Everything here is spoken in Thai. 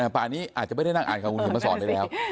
ป่านี้อาจจะไม่ได้นั่งอ่านความคิดมาสอบได้แล้ว